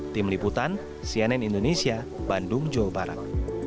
tim liputan cnn indonesia bandung jawa barat